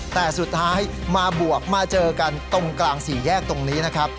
แต่สุดท้ายมาบวกมาเจอกันตรงกลางสี่แยกตรงนี้นะครับ